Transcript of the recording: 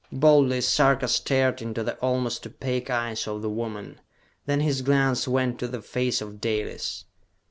Boldly Sarka stared into the almost opaque eyes of the woman. Then his glance went to the face of Dalis.